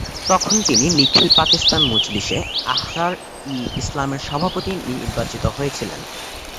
তখন তিনি নিখিল পাকিস্তান মজলিস-এ-আহরার-ই-ইসলামের সভাপতি নির্বাচিত হয়েছিলেন।